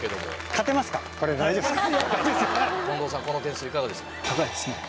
この点数いかがでしたか？